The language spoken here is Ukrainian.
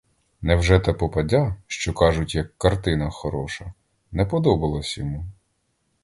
Невже та попадя, що, кажуть, як картина хороша, не подобалась йому?